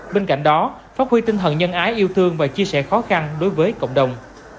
bên cạnh đó phát huy tinh thần nhân ái yêu thương và chia sẻ khó khăn đối với cộng đồng